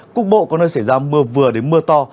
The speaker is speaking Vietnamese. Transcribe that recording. cục bộ có nơi xảy ra mưa vừa đến mưa to